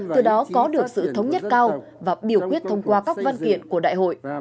từ đó có được sự thống nhất cao và biểu quyết thông qua các văn kiện của đại hội